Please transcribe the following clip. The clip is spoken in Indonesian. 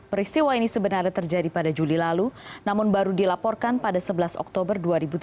peristiwa ini sebenarnya terjadi pada juli lalu namun baru dilaporkan pada sebelas oktober dua ribu tujuh belas